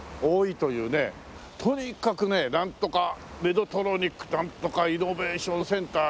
とにかくねなんとかメドトロニックなんとかイノベーションセンター。